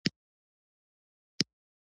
هغې د ځلانده دښته په اړه خوږه موسکا هم وکړه.